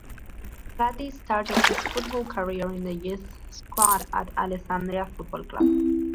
Gatti started his football career in the youth squad at Alessandria football club.